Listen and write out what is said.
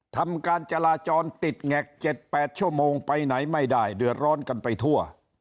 ทำการจราจรติดแงก๗๘ชั่วโมงไปไหนไม่ได้เดือดร้อนกันไปทั่ว